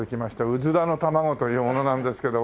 うずらの卵という者なんですけどもね。